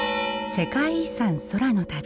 「世界遺産空の旅」